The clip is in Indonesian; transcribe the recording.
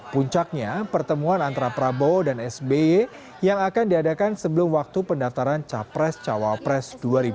puncaknya pertemuan antara prabowo dan sby yang akan diadakan sebelum waktu pendaftaran capres cawapres dua ribu dua puluh